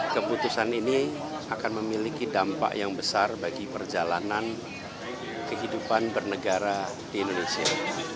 keputusan ini akan memiliki dampak yang besar bagi perjalanan kehidupan bernegara di indonesia